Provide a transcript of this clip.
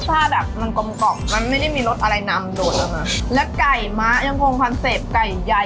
รสชาติแบบมันกลมกล่องมันไม่ได้มีรสอะไรนำโดนน่ะ